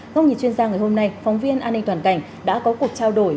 ngọc nhật chuyên gia ngày hôm nay phóng viên an ninh toàn cảnh đã có cuộc trao đổi